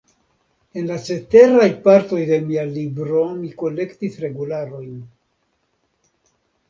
En la ceteraj partoj de mia libro mi kolektis regularojn.